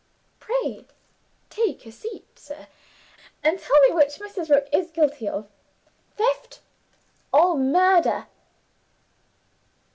Pray take a seat, sir, and tell me which Mrs. Rook is guilty of theft or murder?